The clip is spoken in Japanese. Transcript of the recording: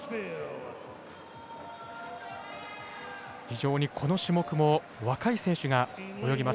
非常に、この種目も若い選手が泳ぎます。